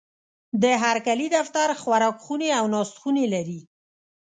د هرکلي دفتر، خوراکخونې او ناستخونې لري.